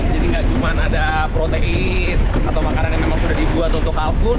jadi nggak cuma ada protein atau makanan yang memang sudah dibuat untuk kalkun